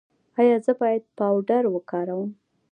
ایا زه باید پاوډر وکاروم؟